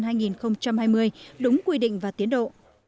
tính quy định và tiến độ